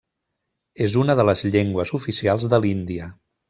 És una de les llengües oficials de l'Índia.